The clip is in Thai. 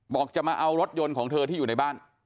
บอกจะมาเอารถยนต์ของเธอที่อยู่ในบ้าน